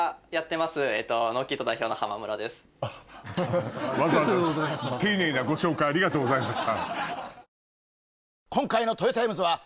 どうもわざわざ丁寧なご紹介ありがとうございます。